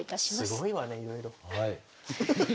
すごいわねいろいろ。